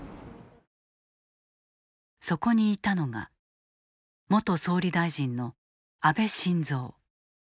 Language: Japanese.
そこにいたのが元総理大臣の安倍晋三。